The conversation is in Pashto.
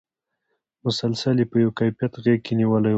مسلسل یې په یوه کیفیت غېږ کې نېولی وم.